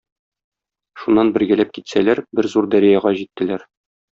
Шуннан бергәләп китсәләр, бер зур дәрьяга җиттеләр.